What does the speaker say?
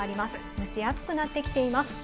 蒸し暑くなってきています。